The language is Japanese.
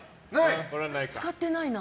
使ってないな。